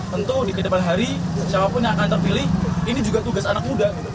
tentu di kedepan hari siapapun yang akan terpilih ini juga tugas anak muda